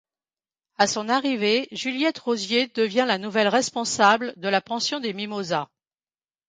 À son arrivée, Juliette Rozier devient la nouvelle responsable de la Pension des Mimosas.